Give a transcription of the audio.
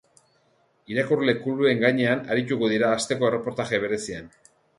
Irakurle kluben gainean arituko dira asteko erreportaje berezian.